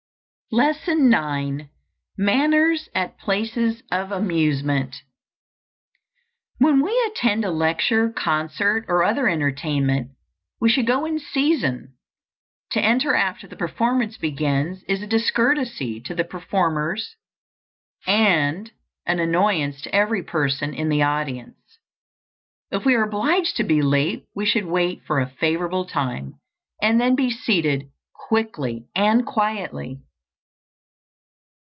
_ LESSON IX. MANNERS AT PLACES OF AMUSEMENT. WHEN we attend a lecture, concert, or other entertainment, we should go in season: to enter after the performance begins is a discourtesy to the performers and an annoyance to every person in the audience. If we are obliged to be late, we should wait for a favorable time, and then be seated quickly and quietly.